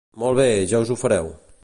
Molt bé, ja us ho fareu.